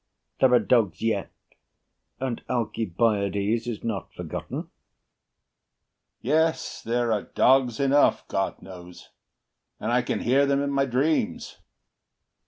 There are dogs yet, and Alcibiades Is not forgotten. HAMILTON Yes, there are dogs enough, God knows; and I can hear them in my dreams.